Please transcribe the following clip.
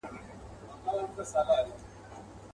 د خپل ناموس له داستانونو سره لوبي کوي.